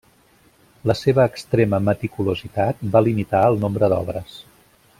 La seva extrema meticulositat va limitar el nombre d'obres.